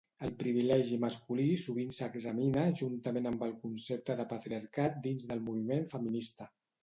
El privilegi masculí sovint s'examina juntament amb el concepte de patriarcat dins del moviment feminista.